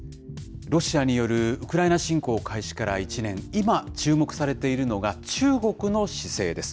ロシアによるウクライナ侵攻開始から１年、今注目されているのが、中国の姿勢です。